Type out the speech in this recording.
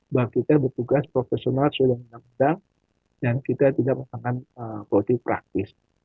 bahwa kita bertugas profesional selama enam tahun dan kita tidak mempunyai politik praktis